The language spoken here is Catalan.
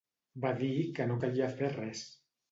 Va dir que no calia fer res.